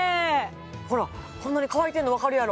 ほらホンマに乾いてるのわかるやろ？